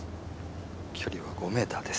距離は５ｍです。